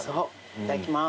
いただきます。